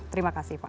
terima kasih pak